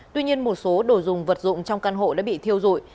tuy nhiên một số đồ dùng vật dụng trong căn hộ đã bị thiêu dụi